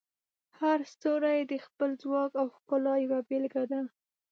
هر ستوری د خپل ځواک او ښکلا یوه بیلګه ده.